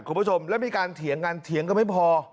คุณผู้ชมแล้วมีการเถียงกันเถียงกันไม่พอ